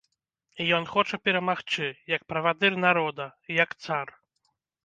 Ён хоча перамагчы, як правадыр народа, як цар.